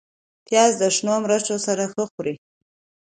پیاز د شنو مرچو سره ښه خوري